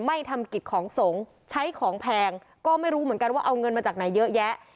ไม่ทำกิจของสงฆ์ใช้ของแพงก็ไม่รู้เหมือนกันว่าเอาเงินมาจากไหนเยอะแยะ